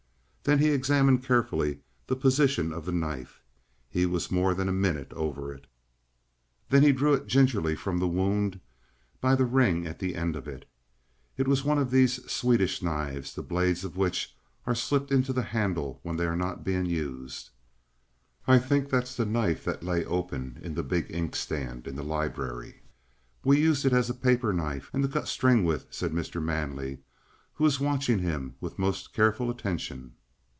Then he examined carefully the position of the knife. He was more than a minute over it. Then he drew it gingerly from the wound by the ring at the end of it. It was one of these Swedish knives, the blades of which are slipped into the handle when they are not being used. "I think that's the knife that lay, open, in the big ink stand in the library. We used it as a paper knife, and to cut string with," said Mr. Manley, who was watching him with most careful attention.